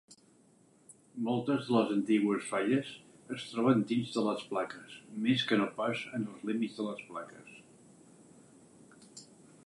Moltes de les antigues falles es troben dins de les plaques més que no pas en els límits de les plaques.